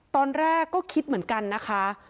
ตอนแรกก็คิดเหมือนกันนะคะ